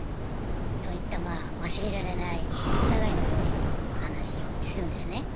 そういったまぁ忘れられないお互いの料理の話をするんですね。